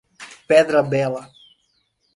Pedra Bela